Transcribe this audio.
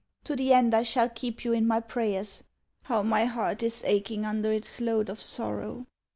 To the end I shall keep you in my prayers. How my heart is aching under its load of sorrow!...